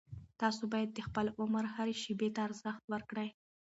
تاسو باید د خپل عمر هرې شېبې ته ارزښت ورکړئ.